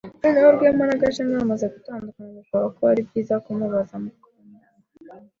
Noneho Rwema na Gashema bamaze gutandukana, birashoboka ko ari byiza kumubaza mukundana.